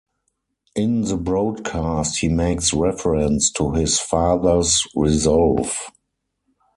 In the broadcast he makes reference to his father's resolve.